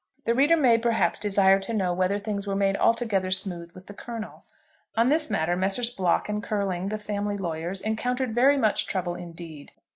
The reader may, perhaps, desire to know whether things were made altogether smooth with the Colonel. On this matter Messrs. Block and Curling, the family lawyers, encountered very much trouble indeed.